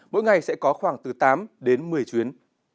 mỗi ngày sẽ có khoảng từ tám đến một mươi chuyến